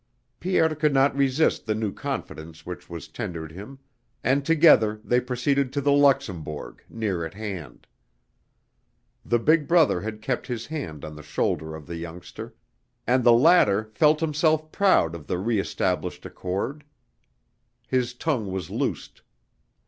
Pierre could not resist the new confidence which was tendered him and together they proceeded to the Luxembourg near at hand. The big brother had kept his hand on the shoulder of the younger and the latter felt himself proud of the re established accord. His tongue was loosed.